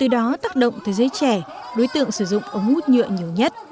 nó tác động thế giới trẻ đối tượng sử dụng ống hút nhựa nhiều nhất